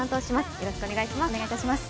よろしくお願いします。